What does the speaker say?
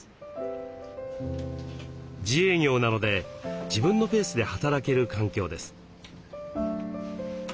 自営業なので自分のペースで働ける環境です。